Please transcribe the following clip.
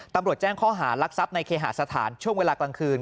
ตำรวจแจ้งข้อหารักทรัพย์ในเคหาสถานช่วงเวลากลางคืน